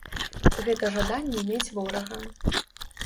Гэта жаданне мець ворага.